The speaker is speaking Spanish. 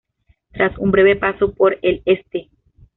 Tras un breve paso por el St.